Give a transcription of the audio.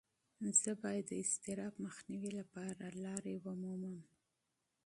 زه باید د اضطراب مخنیوي لپاره لارې ومومم.